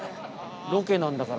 ロケなんだからさ。